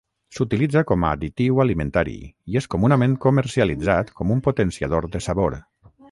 S'utilitza com a additiu alimentari i és comunament comercialitzat com un potenciador de sabor.